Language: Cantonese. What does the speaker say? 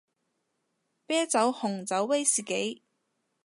啤酒紅酒威士忌